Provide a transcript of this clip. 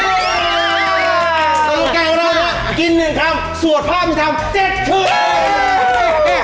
สโลการของเราก็กิน๑คำสวดพร่ำ๑คำเจ็ดชื่น